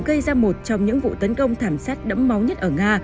gây ra một trong những vụ tấn công thảm sát đẫm máu nhất ở nga